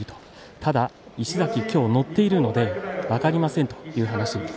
ただ石崎、今日乗っているので分かりませんという話です。